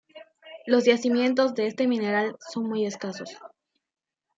Los yacimientos de este mineral son muy escasos.